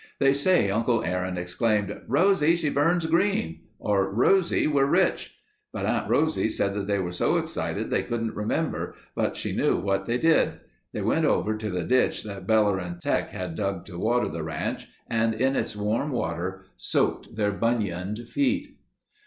"They say Uncle Aaron exclaimed, 'Rosie, she burns green!' or 'Rosie, we're rich!' but Aunt Rosie said they were so excited they couldn't remember, but she knew what they did! They went over to the ditch that Bellerin' Teck had dug to water the ranch and in its warm water soaked their bunioned feet."